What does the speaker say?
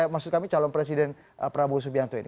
maksud kami calon presiden prabowo subianto ini